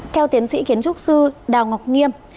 theo tiến sĩ kiến trúc sư đào ngọc nghiêm